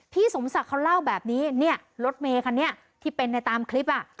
สมศักดิ์เขาเล่าแบบนี้เนี่ยรถเมคันนี้ที่เป็นในตามคลิปอ่ะ